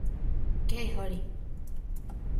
Kei Horie